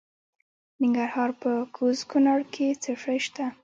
د ننګرهار په کوز کونړ کې څه شی شته؟